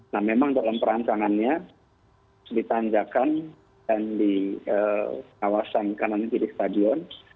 nah memang dalam perancangannya di tanjakan dan di kawasan kanannya jadi stadion